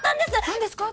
何ですか？